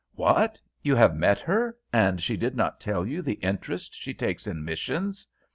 "What! you have met her, and she did not tell you the interest she takes in missions?